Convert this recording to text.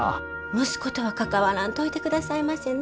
息子とは関わらんといてくださいませね。